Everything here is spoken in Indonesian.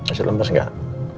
asal lempas gak